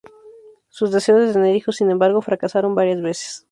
Sus deseos de tener hijos, sin embargo, fracasaron varias veces.